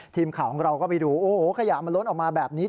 ทีมข่าวของเราก็ไปดูโอ้โหขยะมันล้นออกมาแบบนี้